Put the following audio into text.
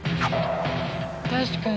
確かに。